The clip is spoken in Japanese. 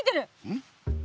ん？